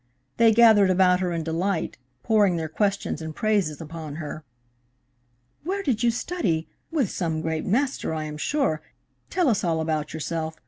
They gathered about her in delight, pouring their questions and praises upon her. "Where did you study? With some great master, I am sure. Tell us all about yourself.